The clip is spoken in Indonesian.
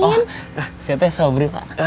oh saya teh sobri pak